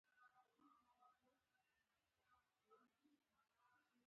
دوی غواړي د مسلمانانو عظمت او جلال ژوندی کړي.